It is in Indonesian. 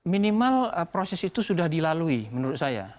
minimal proses itu sudah dilalui menurut saya